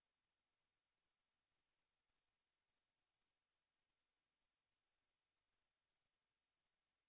โปรดติดตามตอนต่อไป